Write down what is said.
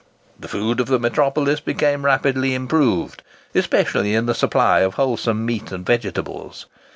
The food of the metropolis became rapidly improved, especially in the supply of wholesome meat and vegetables.